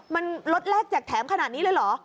มันล็อตแรกแจกแถมขนาดนี้เลยเหรอ